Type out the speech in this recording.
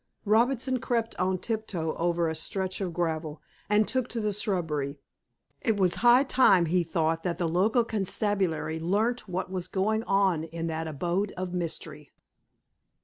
Robinson crept on tiptoe over a stretch of gravel, and took to the shrubbery. It was high time, he thought, that the local constabulary learnt what was going on in that abode of mystery.